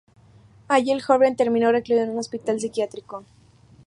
Allí el joven terminó recluido en un hospital psiquiátrico.